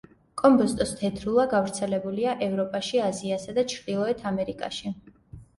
კომბოსტოს თეთრულა გავრცელებულია ევროპაში, აზიასა და ჩრდილოეთ ამერიკაში.